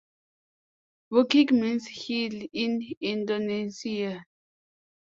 "Bukit" means 'hill' in Indonesian.